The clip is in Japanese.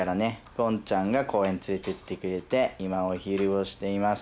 ゴンちゃんが公園連れていってくれて今お昼をしています。